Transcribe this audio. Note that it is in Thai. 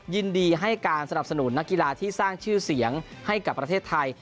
ยินดีให้การสนับสนุนนักกีฬาที่สร้างชื่อเสียงให้กับประเทศไทย